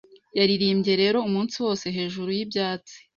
Yaririmbye rero umunsi wose Hejuru yibyatsi